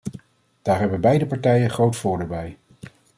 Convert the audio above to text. Daar hebben beide partijen groot voordeel bij.